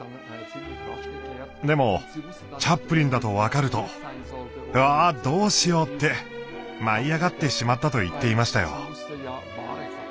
でもチャップリンだと分かると「うわどうしよう」って舞い上がってしまったと言っていましたよ。